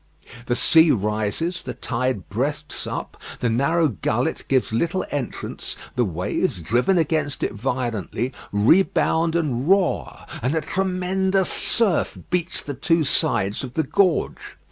The sea rises, the tide breasts up, the narrow gullet gives little entrance, the waves, driven against it violently, rebound and roar, and a tremendous surf beats the two sides of the gorge.